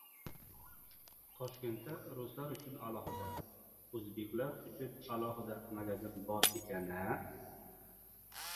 — Toshkentda ruslar uchun alohida, o‘zbeklar uchun alohida magazin bor ekan-a?